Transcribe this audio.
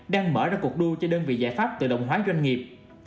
đang mở ra cuộc đua cho đơn vị giải pháp tự động hóa doanh nghiệp